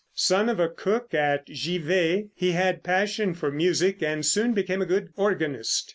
Son of a cook at Givet, he had passion for music, and soon became a good organist.